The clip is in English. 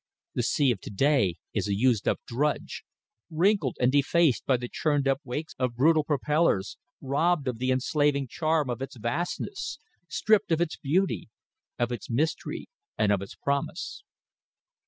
The sea of to day is a used up drudge, wrinkled and defaced by the churned up wakes of brutal propellers, robbed of the enslaving charm of its vastness, stripped of its beauty, of its mystery and of its promise.